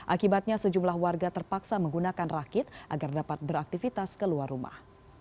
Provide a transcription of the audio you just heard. akibatnya sejumlah warga terpaksa menggunakan rakit agar dapat beraktivitas keluar rumah